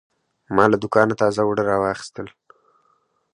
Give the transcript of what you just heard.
ما له دوکانه تازه اوړه واخیستل.